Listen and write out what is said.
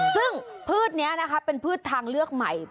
ซึ่งพืชนี้นะคะเป็นพืชทางเลือกใหม่